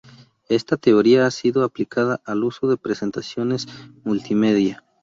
Esta teoría ha sido aplicada al uso de presentaciones multimedia.